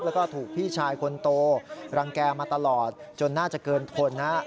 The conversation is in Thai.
แล้วก็ถูกพี่ชายคนโตรังแก่มาตลอดจนน่าจะเกินทนนะฮะ